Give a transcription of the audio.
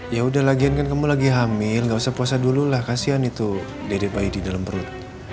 ya udah lagian kan kamu lagi hamil gak usah puasa dululah kasian itu dede bayi di dalam perut